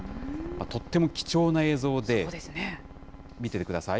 とっても貴重な映像で、見ててください。